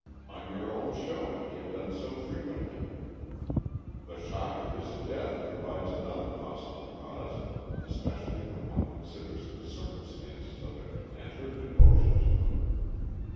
On your own showing he had done so frequently. The shock of his death pro vides another possible cause, especially when one considers the circumstances of it and her devotion to him.